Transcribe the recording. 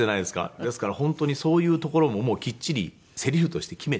ですから本当にそういうところももうきっちりセリフとして決めて。